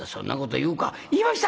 「言いました」。